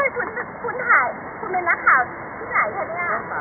คุณเป็นนักข่าวที่ไหนใช่มั้ยอ่ะ